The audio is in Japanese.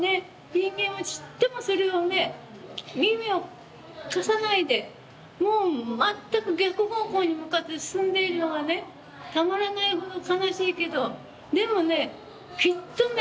人間はちっともそれをね耳を貸さないでもう全く逆方向に向かって進んでいるのがねたまらないほど悲しいけどでもねきっとね